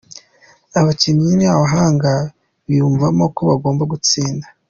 Abakinnyi ni abahanga, biyumvamo ko bagomba gutsinda.